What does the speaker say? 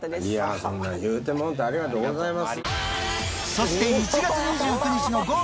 そんな言うてもうて、ありがとうございます。